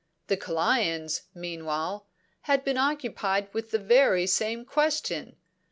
"'The Kalayans, meanwhile, had been occupied with the very same question.